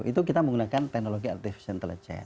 itu kita menggunakan teknologi artificial intelligence